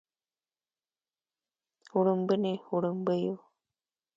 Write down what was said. وړومبني وړومبيو